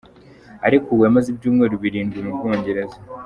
Arekuwe amaze ibyumweru birindwi mu Bwongereza.